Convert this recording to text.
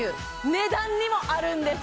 値段にもあるんです